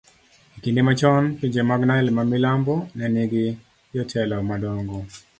e kinde machon, pinje mag Nile mamilambo ne nigi jotelo madongo.